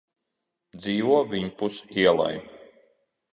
Dzīvo viņpus ielai.